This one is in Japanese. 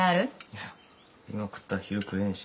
いや今食ったら昼食えねえし。